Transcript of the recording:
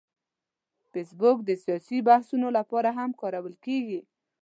فېسبوک د سیاسي بحثونو لپاره هم کارول کېږي